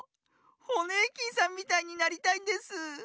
ホネーキンさんみたいになりたいんです。